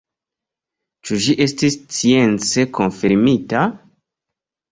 Ĉu ĝi estis science konfirmita?